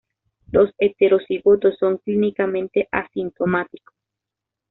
Los heterocigotos son clínicamente asintomáticos.